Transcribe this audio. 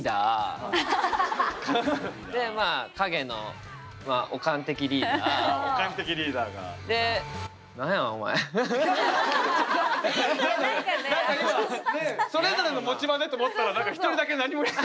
今ねえそれぞれの持ち場でと思ったら１人だけ何もない。